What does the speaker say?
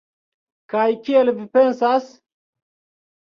Kaj kiel vi pensas?